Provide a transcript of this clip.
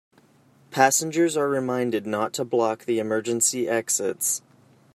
Passengers are reminded not to block the emergency exits.